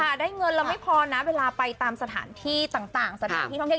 กูค่ะได้เงินเราไม่พอนะเวลาไปตามสถานที่ต่างสะดวกที่ท่องเทศ